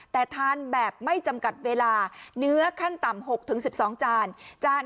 แต่ทานแบบไม่จำกัดเวลาเนื้อขั้นต่ำหกถึงสิบสองจาน